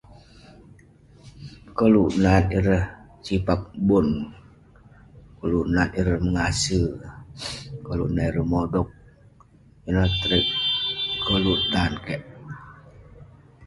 Koluk nat ireh sipag bon, koluk nat ireh mengase, koluk nat ireh modog koluk tan kek.